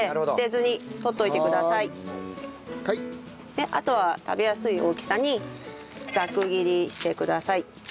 であとは食べやすい大きさにざく切りしてください。